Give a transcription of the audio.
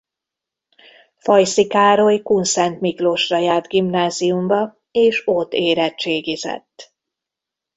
Fajszi Károly Kunszentmiklósra járt gimnáziumba és ott érettségizett.